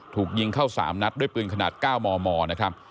ถูกยิงเข้า๓นัดด้วยปืนขนาด๙มมนะครับ